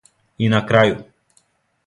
И на крају!